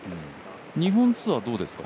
日本ツアー、どうですか？